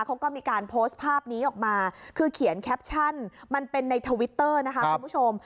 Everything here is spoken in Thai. เขาก็มีการโพสต์ภาพนี้ออกมาคือเขียนแคปชั่นมันเป็นในทวิตเตอร์นะคะคุณผู้ชม